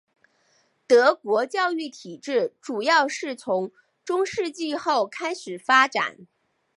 德国教育体制主要是从中世纪后开始发展。